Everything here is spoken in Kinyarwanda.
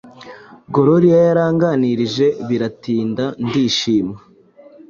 Gloria yaranganirije biratinda ndishima